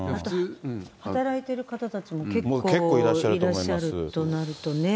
働いてる方たちも結構いらっしゃるとなるとね。